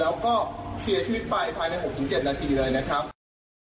แล้วก็เสียชีวิตไปภายใน๖๗นาทีเลยนะครับ